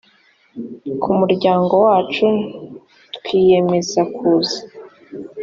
ku muryango wacu twiyemeza kuza